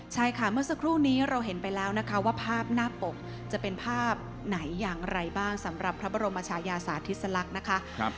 ใช่ค่ะเมื่อสักครู่นี้เราเห็นไปแล้วนะคะว่าภาพหน้าปกจะเป็นภาพไหนอย่างไรบ้างสำหรับพระบรมชายาสาธิสลักษณ์นะคะ